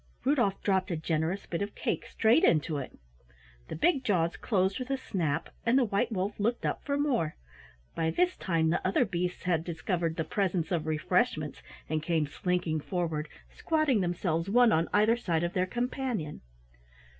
Rudolf dropped a generous bit of cake straight into it. The big jaws closed with a snap, and the white wolf looked up for more. By this time the other beasts had discovered the presence of refreshments, and came slinking forward, squatting themselves one on either side of their companion.